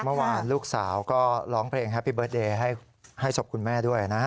เมื่อวานลูกสาวก็ร้องเพลงแฮปปี้เบิร์ตเดย์ให้ศพคุณแม่ด้วยนะ